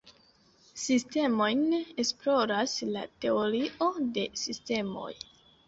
Sistemojn esploras la teorio de sistemoj.